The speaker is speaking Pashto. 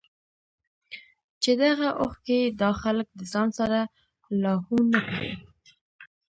چې دغه اوښکې ئې دا خلک د ځان سره لاهو نۀ کړي